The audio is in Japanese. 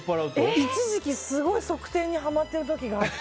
一時期、すごい側転にはまってる時があって。